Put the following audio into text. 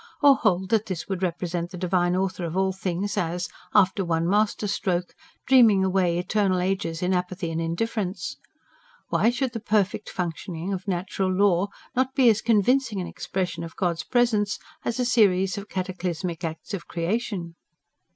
Or hold that this would represent the Divine Author of all things as, after one master stroke, dreaming away eternal ages in apathy and indifference. Why should the perfect functioning of natural law not be as convincing an expression of God's presence as a series of cataclysmic acts of creation?